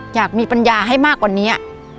อยากมีปัญญาให้มากกว่านี้